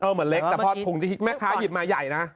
เหมือนเล็กแต่ว่ามากทิ้งม้าค้ายิบมาไหญ่นะ